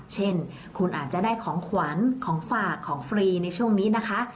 เช่นคุณอาจจะได้ของขวัญของฝากของฟรีในช่วงนี้นะคะ